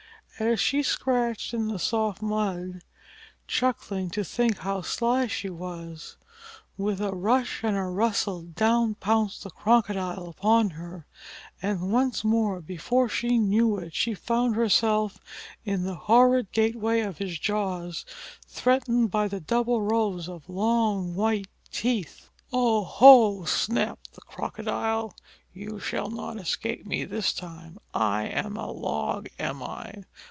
And as she scratched in the soft mud, chuckling to think how sly she was, with a rush and a rustle down pounced the Crocodile upon her, and once more, before she knew it, she found herself in the horrid gateway of his jaws, threatened by the double rows of long, white teeth. [Illustration: "O Brother, don't!"] "Oho!" snapped the Crocodile. "You shall not escape me this time. I am a log, am I?